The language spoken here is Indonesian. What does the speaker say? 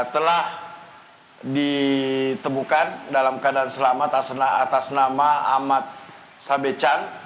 telah ditemukan dalam keadaan selamat atas nama ahmad sabecan